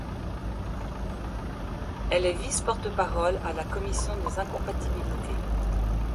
Elle est vice-porte-parole à la commission des Incompatibilités.